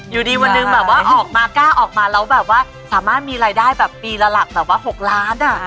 อยู่ดีวันหนึ่งแบบว่าออกมากล้าออกมาแล้วแบบว่าสามารถมีรายได้แบบปีละหลักแบบว่า๖ล้าน